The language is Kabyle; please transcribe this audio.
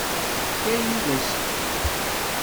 Yefka-iyi-d asefk.